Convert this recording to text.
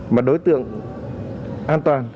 mà đối tượng an toàn